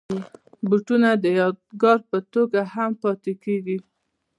بوټونه د یادګار په توګه هم پاتې کېږي.